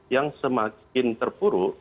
yang semakin terpuruk